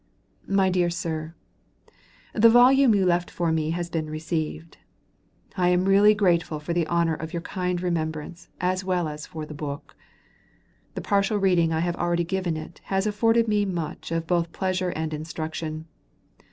MY DEAR SIR: The volume you left for me has been received. I am really grateful for the honor of your kind remembrance, as well as for the book. The partial reading I have already given it has afforded me much of both pleasure and instruction.